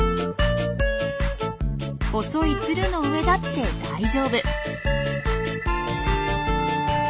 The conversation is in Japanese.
細いツルの上だって大丈夫。